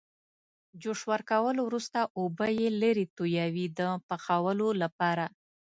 جوش ورکولو وروسته اوبه یې لرې تویوي د پخولو لپاره.